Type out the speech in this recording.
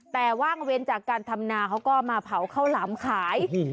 แต่ว่างเว้นจากการทำนาเขาก็มาเผาข้าวหลามขาย